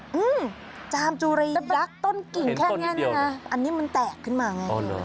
ฮะจามจุรียักษ์ต้นกลิ่งแค่นี้นะอันนี้มันแตกขึ้นมาไง